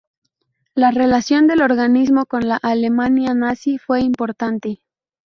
La relación del organismo con la Alemania nazi fue importante.